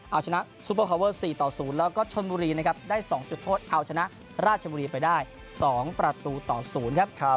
เอาชนะสุโขทัย๔๐แล้วก็ชนบุรีนะครับได้๒จุดโทษเอาชนะราชบุรีไปได้๒ประตูต่อ๐ครับ